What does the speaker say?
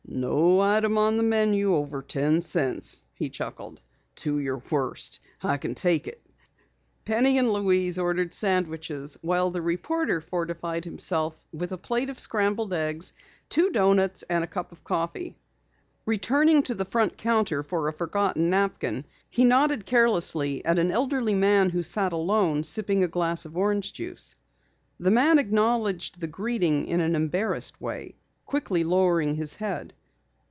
"No item on the menu over ten cents," he chuckled. "Do your worst. I can take it." Penny and Louise ordered sandwiches, while the reporter fortified himself with a plate of scrambled eggs, two doughnuts, and a cup of coffee. Returning to the front counter for a forgotten napkin, he nodded carelessly at an elderly man who sat alone, sipping a glass of orange juice. The man acknowledged the greeting in an embarrassed way, quickly lowering his head.